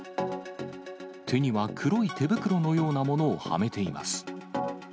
手には黒い手袋のようなものをはめています。